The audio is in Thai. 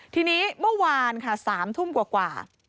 ทีนี้เมื่อวานค่ะ๓ทุ่มกว่า